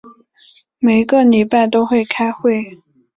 每一个礼拜都开会。